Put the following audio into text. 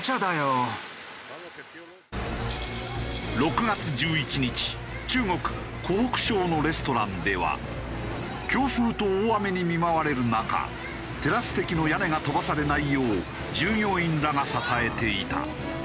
６月１１日中国湖北省のレストランでは強風と大雨に見舞われる中テラス席の屋根が飛ばされないよう従業員らが支えていた。